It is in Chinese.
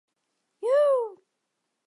一说创建于康熙五十一年。